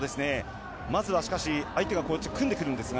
まずはしかし、相手が組んでくるんですが。